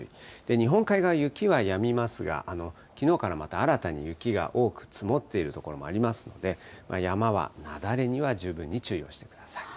日本海側、雪はやみますが、きのうからまた新たに雪が多く積もっている所もありますので、山は雪崩には十分に注意をしてください。